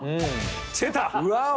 出た！